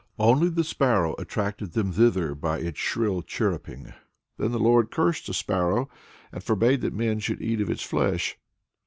Only the sparrow attracted them thither by its shrill chirruping. Then the Lord cursed the sparrow, and forbade that men should eat of its flesh.